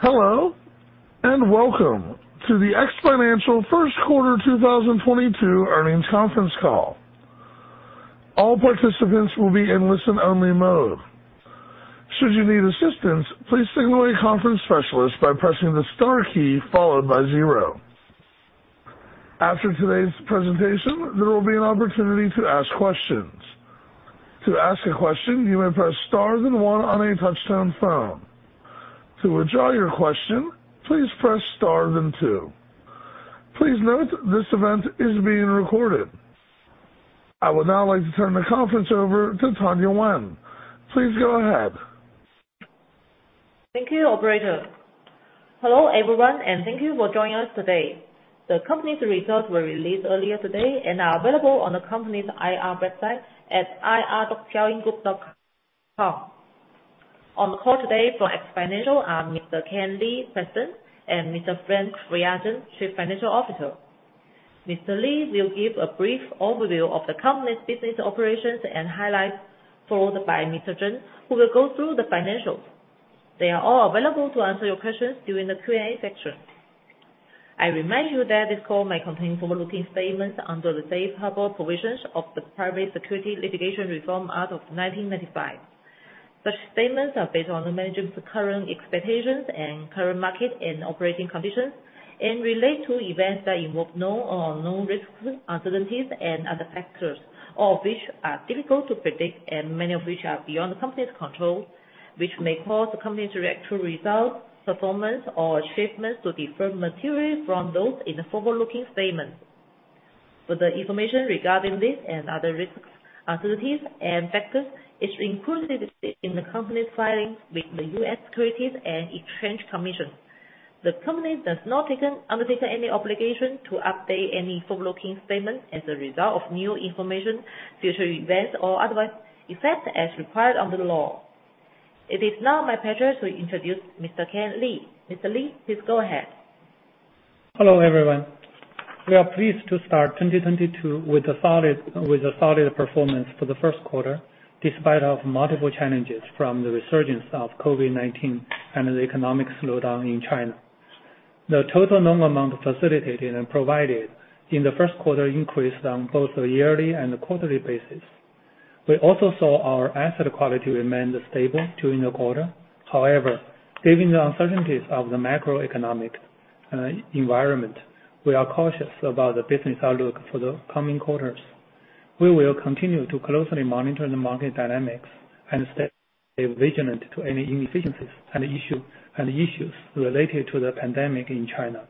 Hello, and welcome to the X Financial First Quarter 2022 Earnings Conference Call. All participants will be in listen-only mode. Should you need assistance, please signal a conference specialist by pressing the star key followed by zero. After today's presentation, there will be an opportunity to ask questions. To ask a question, you may press star then one on a touch-tone phone. To withdraw your question, please press star then two. Please note this event is being recorded. I would now like to turn the conference over to Tanya Wen. Please go ahead. Thank you, operator. Hello, everyone, and thank you for joining us today. The company's results were released earlier today and are available on the company's IR website at ir.xiaoyinggroup.com. On the call today for X Financial are Mr. Kan Li, President, and Mr. Frank Fuya Zheng, Chief Financial Officer. Mr. Li will give a brief overview of the company's business operations and highlights, followed by Mr. Zheng, who will go through the financials. They are all available to answer your questions during the Q&A section. I remind you that this call may contain forward-looking statements under the safe harbor provisions of the Private Securities Litigation Reform Act of 1995. Such statements are based on the management's current expectations and current market and operating conditions, and relate to events that involve known risks, uncertainties, and other factors, all of which are difficult to predict and many of which are beyond the company's control, which may cause the company's direct actual results, performance, or achievements to differ materially from those in the forward-looking statements. For the information regarding this and other risks, uncertainties, and factors is included in the company's filings with the U.S. Securities and Exchange Commission. The company does not undertake any obligation to update any forward-looking statements as a result of new information, future events, or otherwise, except as required under the law. It is now my pleasure to introduce Mr. Kan Li. Mr. Li, please go ahead. Hello, everyone. We are pleased to start 2022 with a solid performance for the first quarter, despite multiple challenges from the resurgence of COVID-19 and the economic slowdown in China. The total loan amount facilitated and provided in the first quarter increased on both a yearly and a quarterly basis. We also saw our asset quality remained stable during the quarter. However, given the uncertainties of the macroeconomic environment, we are cautious about the business outlook for the coming quarters. We will continue to closely monitor the market dynamics and stay vigilant to any inefficiencies and issues related to the pandemic in China.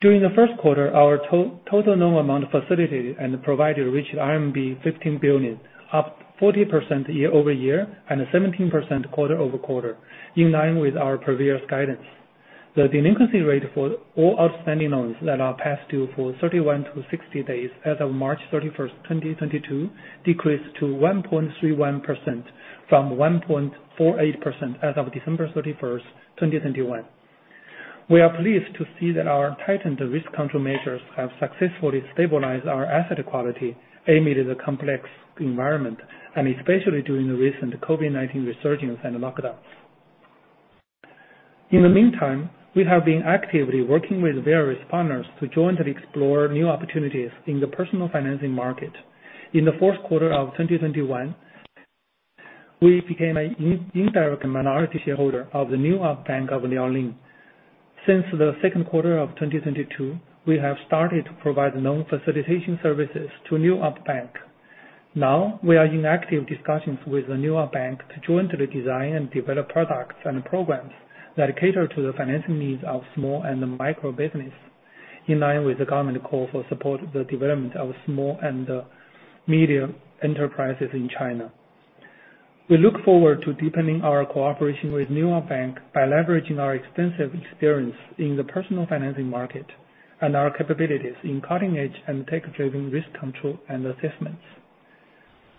During the first quarter, our total loan amount facilitated and provided reached RMB 15 billion, up 40% year-over-year, and 17% quarter-over-quarter, in line with our previous guidance. The delinquency rate for all outstanding loans that are past due for 31-60 days as of March 31, 2022. Decreased to 1.31% from 1.48% as of December 31, 2021. We are pleased to see that our tightened risk control measures have successfully stabilized our asset quality amid the complex environment, and especially during the recent COVID-19 resurgence and lockdowns. In the meantime, we have been actively working with various partners to jointly explore new opportunities in the personal financing market. In the fourth quarter of 2021, we became an indirect minority shareholder of the New Up Bank of Liaoning. Since the second quarter of 2022, we have started to provide loan facilitation services to New Up Bank. Now, we are in active discussions with the New Up Bank of Liaoning to jointly design and develop products and programs that cater to the financing needs of small and micro business, in line with the government call for support the development of small and medium enterprises in China. We look forward to deepening our cooperation with the New Up Bank of Liaoning by leveraging our extensive experience in the personal financing market and our capabilities in cutting edge and tech-driven risk control and assessments.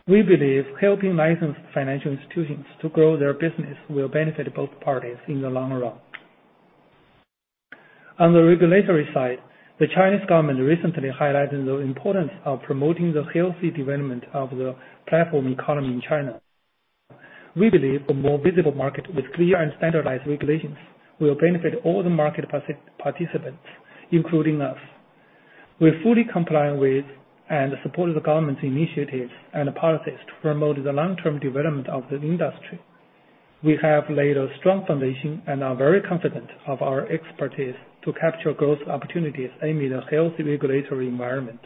We believe helping licensed financial institutions to grow their business will benefit both parties in the long run. On the regulatory side, the Chinese government recently highlighted the importance of promoting the healthy development of the platform economy in China. We believe a more visible market with clear and standardized regulations will benefit all the market participants, including us. We fully comply with and support the government's initiatives and policies to promote the long-term development of the industry. We have laid a strong foundation and are very confident of our expertise to capture growth opportunities amid a healthy regulatory environment.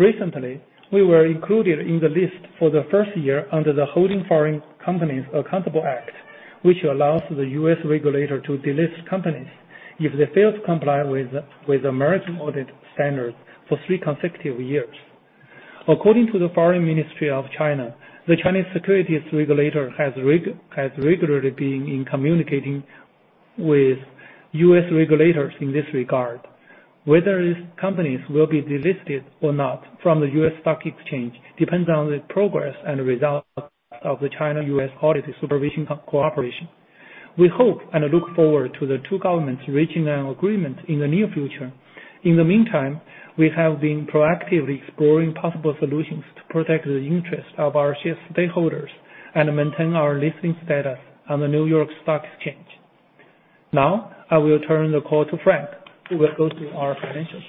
Recently, we were included in the list for the first year under the Holding Foreign Companies Accountable Act, which allows the U.S. regulator to delist companies if they fail to comply with American audit standards for three consecutive years. According to the Foreign Ministry of China, the Chinese securities regulator has regularly been in communicating with U.S. regulators in this regard. Whether these companies will be delisted or not from the U.S. stock exchange depends on the progress and results of the China-U.S. audit supervision cooperation. We hope and look forward to the two governments reaching an agreement in the near future. In the meantime, we have been proactively exploring possible solutions to protect the interest of our shareholders and maintain our listing status on the New York Stock Exchange. Now I will turn the call to Frank, who will go through our financials.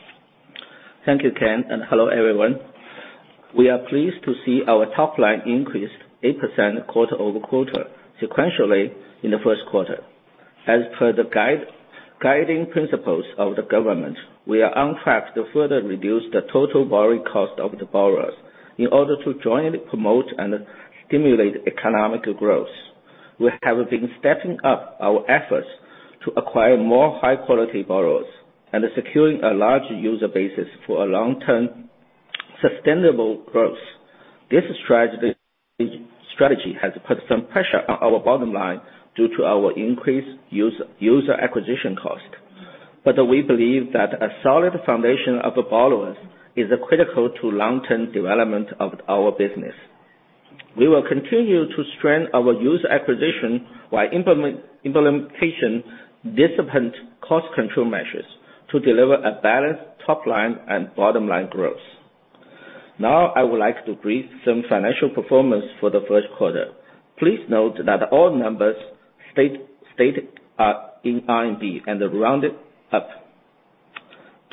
Thank you, Ken, and hello everyone. We are pleased to see our top line increased 8% quarter-over-quarter sequentially in the first quarter. As per the guiding principles of the government, we are on track to further reduce the total borrowing cost of the borrowers in order to jointly promote and stimulate economic growth. We have been stepping up our efforts to acquire more high-quality borrowers and securing a large user basis for a long-term sustainable growth. This strategy has put some pressure on our bottom line due to our increased user acquisition cost. We believe that a solid foundation of the borrowers is critical to long-term development of our business. We will continue to strengthen our user acquisition while implementing disciplined cost control measures to deliver a balanced top line and bottom-line growth. I would like to brief some financial performance for the first quarter. Please note that all numbers stated are in RMB and rounded up.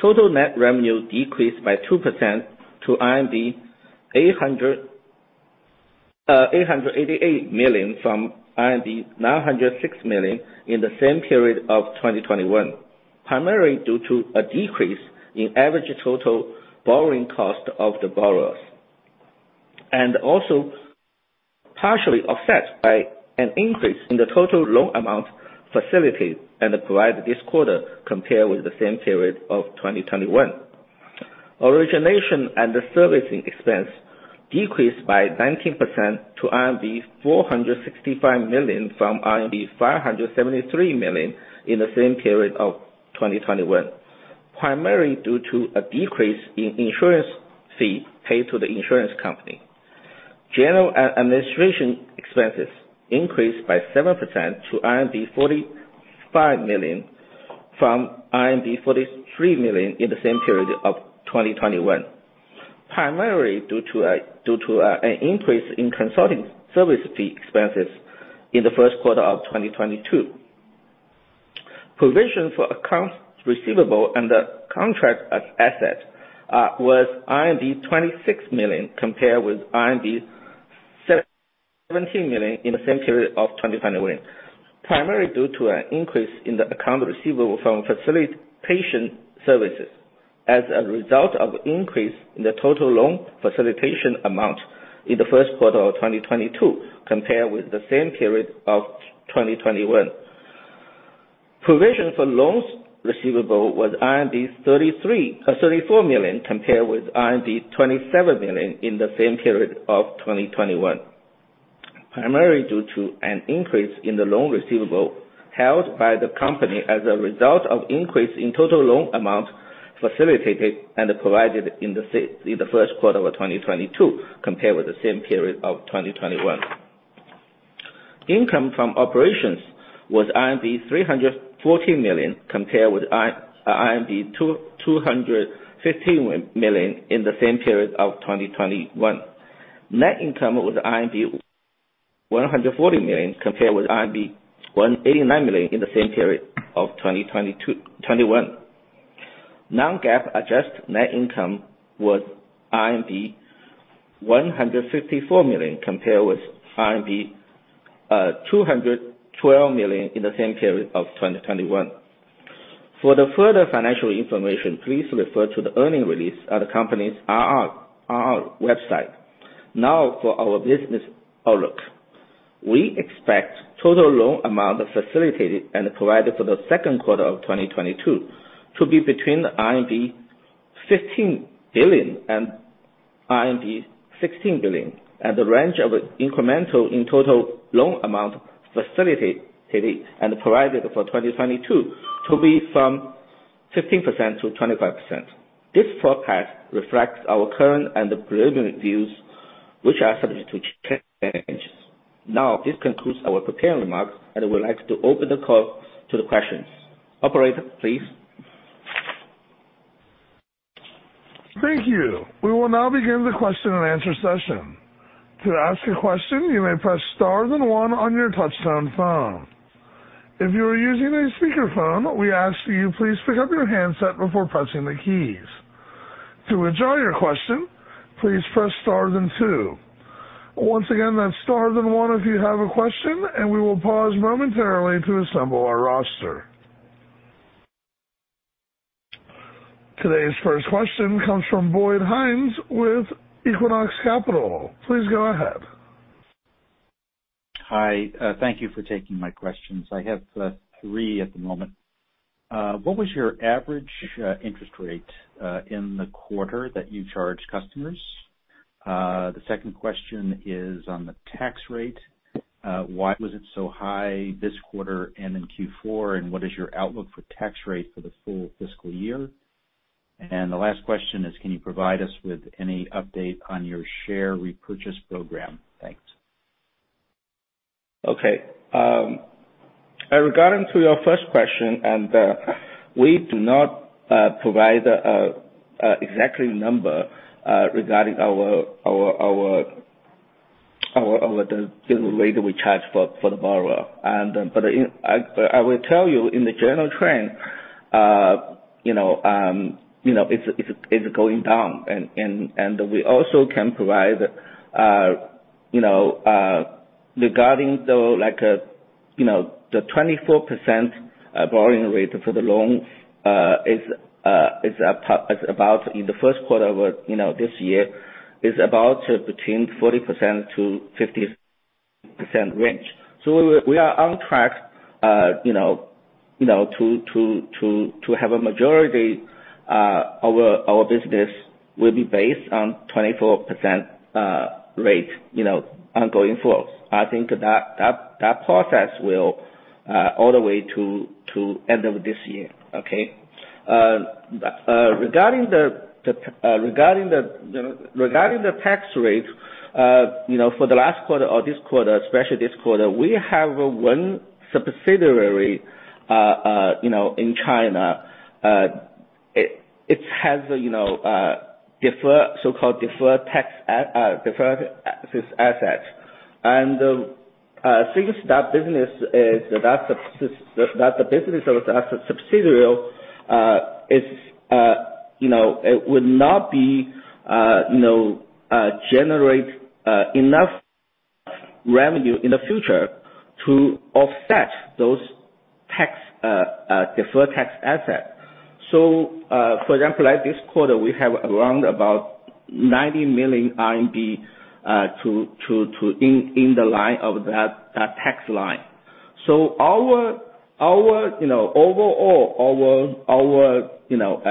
Total net revenue decreased by 2% to 888 million from 906 million in the same period of 2021, primarily due to a decrease in average total borrowing cost of the borrowers, also partially offset by an increase in the total loan amount facilitated and provided this quarter compared with the same period of 2021. Origination and servicing expense decreased by 19% to RMB 465 million from RMB 573 million in the same period of 2021, primarily due to a decrease in insurance fee paid to the insurance company. General and administration expenses increased by 7% to RMB 45 million from RMB 43 million in the same period of 2021, primarily due to an increase in consulting service fee expenses in the first quarter of 2022. Provision for accounts receivable and the contract asset was RMB 26 million, compared with RMB 17 million in the same period of 2021, primarily due to an increase in the accounts receivable from facilitation services as a result of an increase in the total loan facilitation amount in the first quarter of 2022 compared with the same period of 2021. Provision for loans receivable was 34 million compared with RMB 27 million in the same period of 2021, primarily due to an increase in the loan receivable held by the company as a result of increase in total loan amount facilitated and provided in the first quarter of 2022 compared with the same period of 2021. Income from operations was RMB 314 million compared with RMB 215 million in the same period of 2021. Net income was RMB 140 million compared with RMB 189 million in the same period of 2021. non-GAAP adjusted net income was RMB 154 million compared with RMB 212 million in the same period of 2021. For further financial information, please refer to the earnings release at the company's IR website. Now for our business outlook. We expect total loan amount facilitated and provided for the second quarter of 2022 to be between RMB 15 billion and RMB 16 billion, and the range of incremental in total loan amount facilitated and provided for 2022 to be from 15%-25%. This forecast reflects our current and preliminary views, which are subject to changes. Now, this concludes our prepared remarks, and I would like to open the call to the questions. Operator, please. Thank you. We will now begin the question and answer session. To ask a question, you may press star then one on your touch-tone phone. If you are using a speakerphone, we ask that you please pick up your handset before pressing the keys. To withdraw your question, please press star then two. Once again, that's star then one if you have a question, and we will pause momentarily to assemble our roster. Today's first question comes from Boyd Hines with Equinox Capital. Please go ahead. Hi, thank you for taking my questions. I have three at the moment. What was your average interest rate in the quarter that you charged customers? The second question is on the tax rate. Why was it so high this quarter and in Q4, and what is your outlook for tax rate for the full fiscal year? The last question is, can you provide us with any update on your share repurchase program? Thanks. Okay. Regarding your first question, we do not provide exact number regarding the rate we charge for the borrower. I will tell you the general trend, you know, it's going down. We also can provide, you know, regarding the, like, you know, the 24% borrowing rate for the loan is about in the first quarter of this year about between 40%-50% range. We are on track, you know, to have a majority our business will be based on 24% rate, you know, going forward. I think that process will all the way to end of this year. Regarding the tax rate, you know, for the last quarter or this quarter, especially this quarter, we have one subsidiary, you know, in China. It has deferred tax assets. Since that business is that business of the subsidiary, you know, it would not generate enough revenue in the future to offset those deferred tax assets. For example, like this quarter, we have around 90 million RMB written in the line of that tax line. Our overall, you know,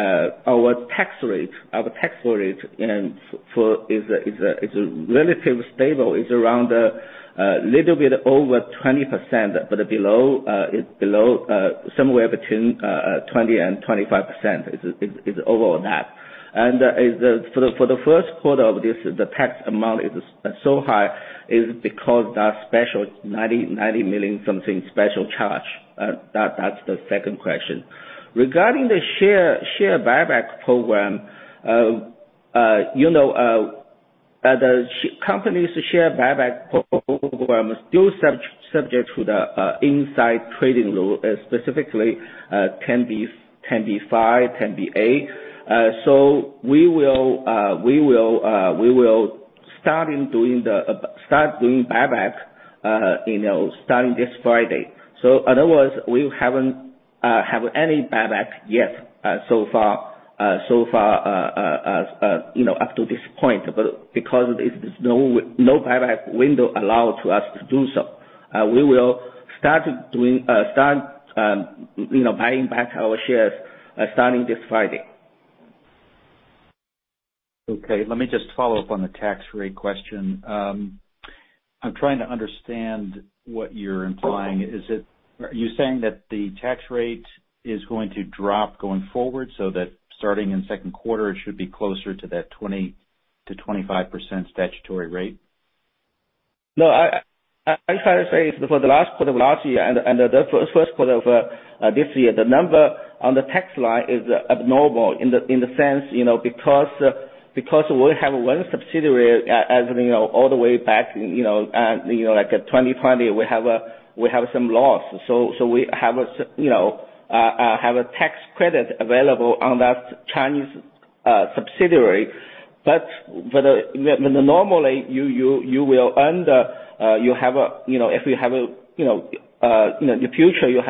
our tax rate and effective is a relatively stable. It's around a little bit over 20% but below somewhere between 20% and 25% overall net. For the first quarter of this, the tax amount is so high because that special 90 million something special charge. That's the second question. Regarding the share buyback program, you know, the company's share buyback program still subject to the insider trading rule, specifically 10b-5, 10b-18. We will start doing buyback, you know, starting this Friday. In other words, we haven't have any buyback yet, so far, you know, up to this point because there's no buyback window allowed to us to do so. We will start doing you know buying back our shares starting this Friday. Okay. Let me just follow up on the tax rate question. I'm trying to understand what you're implying. Are you saying that the tax rate is going to drop going forward so that starting in second quarter it should be closer to that 20%-25% statutory rate? No. I try to say for the last quarter of last year and the first quarter of this year, the number on the tax line is abnormal in the sense, you know, because we have one subsidiary as we know, all the way back, you know, like in 2020 we have some loss. So we have a tax credit available on that Chinese subsidiary. CNY Normally, you will earn the income in the future, you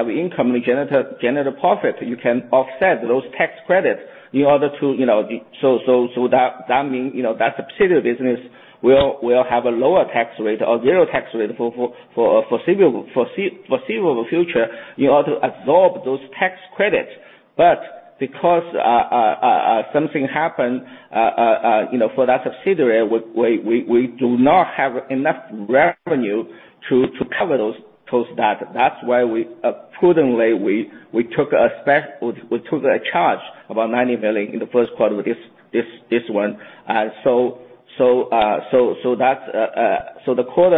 generate a profit, you can offset those tax credits in order to, you know. That means, you know, that subsidiary business will have a lower tax rate or zero tax rate for foreseeable future in order to absorb those tax credits. Because something happened, you know, for that subsidiary, we do not have enough revenue to cover those debts. That's why we prudently took a charge of 90 million in the first quarter of this one. For the quarter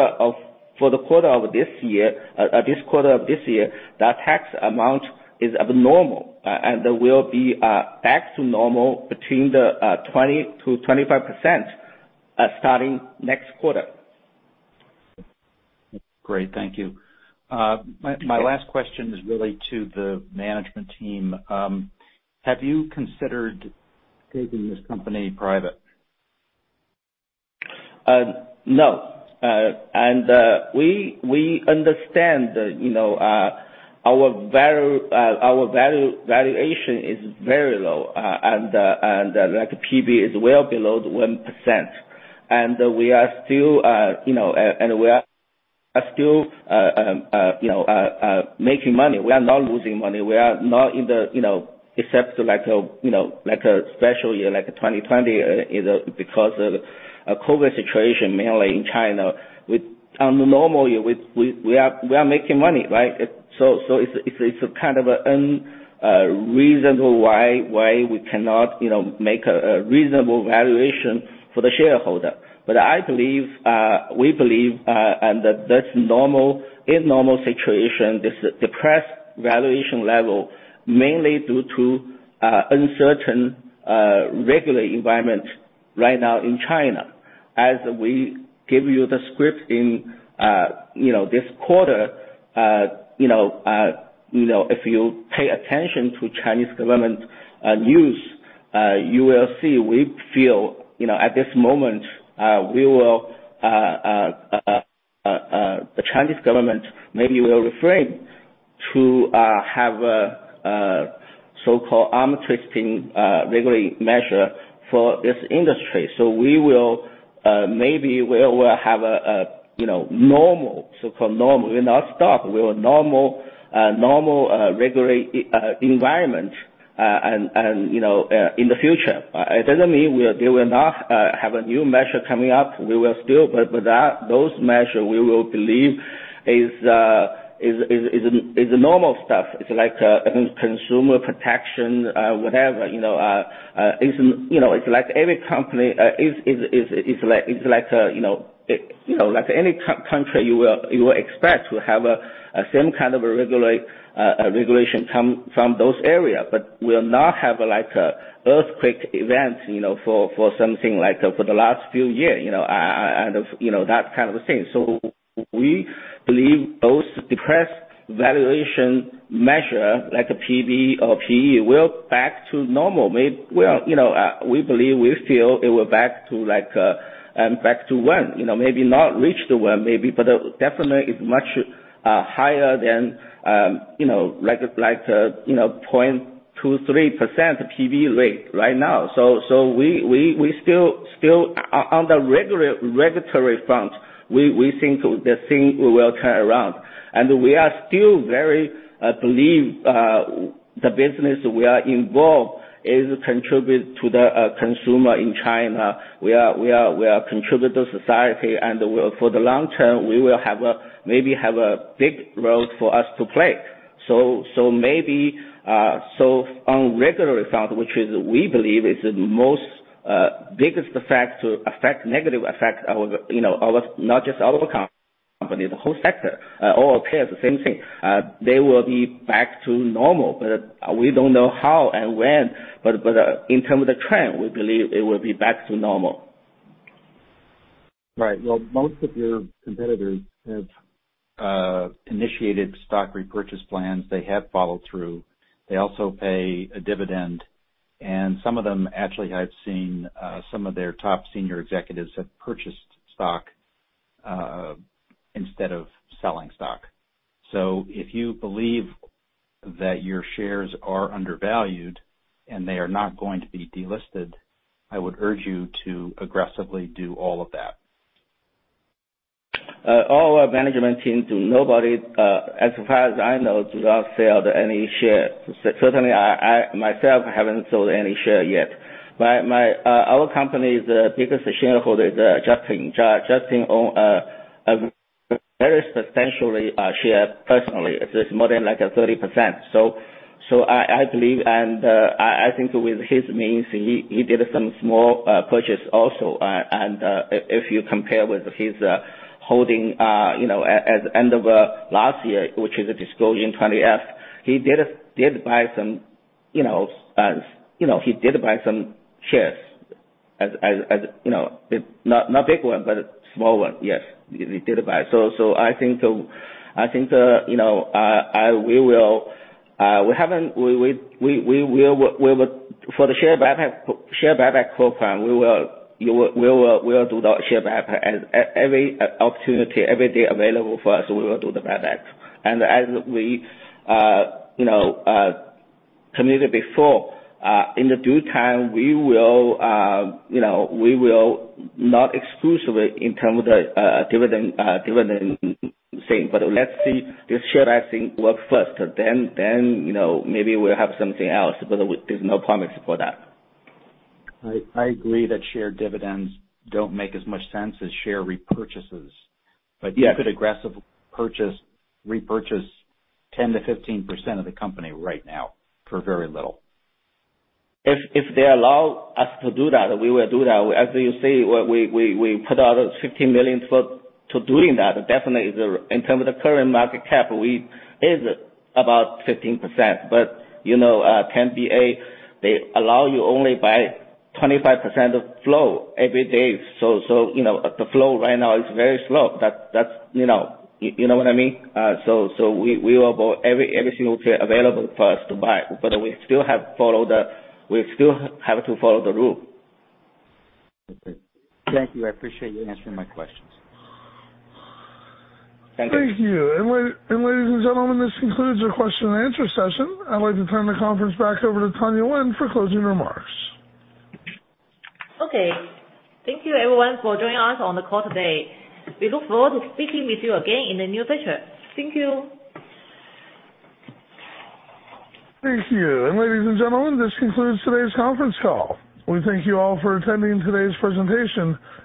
of this year, this quarter of this year, that tax amount is abnormal and will be back to normal between 20%-25%, starting next quarter. Great. Thank you. Okay. My last question is really to the management team. Have you considered taking this company private? No. We understand that, you know, our valuation is very low. Like P/B is well below 1%. We are still, you know, making money. We are not losing money. Except like a, you know, like a special year, like 2020, either because of COVID situation mainly in China. On a normal year, we are making money, right? It's kind of unreasonable why we cannot, you know, make a reasonable valuation for the shareholder. I believe, we believe and that that's normal, a normal situation, this depressed valuation level, mainly due to uncertain regulatory environment right now in China. As we give you the script in, you know, this quarter, you know, you know, if you pay attention to Chinese government news, you will see we feel, you know, at this moment, we will the Chinese government maybe will refrain to have a so-called arm twisting regulatory measure for this industry. We will maybe we will have a you know normal so-called normal will not stop we will normal normal regulatory environment. And you know in the future. It doesn't mean we are we will not have a new measure coming up. We will still, but that those measures we believe is normal stuff. It's like consumer protection, whatever, you know, is, you know, it's like every company is like you know, you know, like any country you will expect to have the same kind of regulation come from those areas. We'll not have like an earthquake event, you know, for something like the last few years, you know, that kind of a thing. We believe those depressed valuation measures like a P/B or P/E will back to normal. Well, you know, we believe, we feel it will back to like back to one. You know, maybe not reach the 1.0 maybe, but definitely is much higher than you know, like a like a you know 0.23% P/B rate right now. We still on the regulatory front, we think the thing will turn around. We are still very believe the business we are involved is contribute to the consumer in China. We contribute to society, and we are for the long term, we will have a maybe have a big role for us to play. Maybe on regulatory front, which we believe is the most biggest factor affecting negative effect our you know our not just our company, the whole sector. All players the same thing. They will be back to normal, but we don't know how and when, but in terms of the trend, we believe it will be back to normal. Right. Well, most of your competitors have initiated stock repurchase plans. They have followed through. They also pay a dividend, and some of them actually I've seen some of their top senior executives have purchased stock instead of selling stock. If you believe that your shares are undervalued and they are not going to be delisted, I would urge you to aggressively do all of that. All our management team, nobody, as far as I know, do not sell any shares. Certainly I myself haven't sold any share yet. My, our company's biggest shareholder is Justin. Justin own a very substantial share personally. It's more than like 30%. I believe and I think with his means, he did some small purchase also. If you compare with his holding, you know, at end of last year, which is a disclosure in 20-F, he did buy some, you know, he did buy some shares, as you know, not big one, but small one, yes. He did buy. I think for the share buyback program, we will do the share buyback. Every opportunity, every day available for us, we will do the buyback. As we communicated before, in the due time, we will not exclusively in terms of the dividend thing. Let's see this share buyback thing work first. You know, maybe we'll have something else, but there's no promise for that. I agree that share dividends don't make as much sense as share repurchases. Yeah. You could aggressively purchase, repurchase 10%-15% of the company right now for very little. If they allow us to do that, we will do that. As you say, we put out $15 million for doing that. Definitely in terms of the current market cap, we is about 15%. But you know, 10b-18, they allow you only buy 25% of volume every day. You know, the volume right now is very slow. That's, you know. You know what I mean? We will buy every single share available for us to buy, but we still have to follow the rule. Okay. Thank you. I appreciate you answering my questions. Thank you. Thank you. Ladies and gentlemen, this concludes your question and answer session. I'd like to turn the conference back over to Tanya Wen for closing remarks. Okay. Thank you everyone for joining us on the call today. We look forward to speaking with you again in the near future. Thank you. Thank you. Ladies and gentlemen, this concludes today's conference call. We thank you all for attending today's presentation.